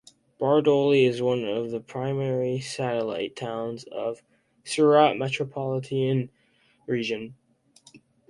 Bardoli is one of the primary Satellite Towns of Surat Metropolitan Region.